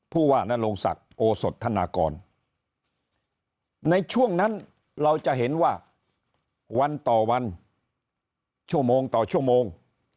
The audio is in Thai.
ผู้ว่านโรงศักดิ์โอสธนากรในช่วงนั้นเราจะเห็นว่าวันต่อวันชั่วโมงต่อชั่วโมง